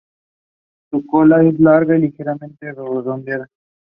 Numerous crops that are important for human nutrition have been willingly spread by humans.